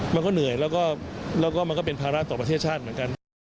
มันก็เหนื่อยแล้วก็มันก็เป็นภาระต่อประเทศชาติเหมือนกัน